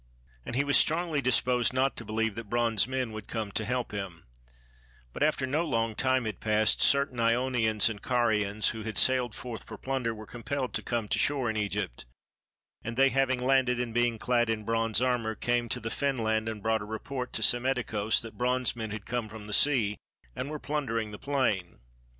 And he was strongly disposed not to believe that bronze men would come to help him; but after no long time had passed, certain Ionians and Carians who had sailed forth for plunder were compelled to come to shore in Egypt, and they having landed and being clad in bronze armour, came to the fen land and brought a report to Psammetichos that bronze men had come from the sea and were plundering the plain.